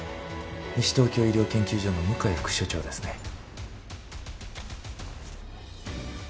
西東京医療研究所の向井副所長ですね？